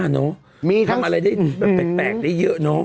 ทำอะไรได้แบบแปลกได้เยอะเนอะ